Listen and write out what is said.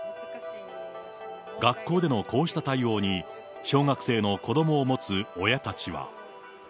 学校でのこうした対応に、小学生の子どもを持つ親たちは。